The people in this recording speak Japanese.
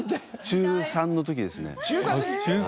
中３の時ですね。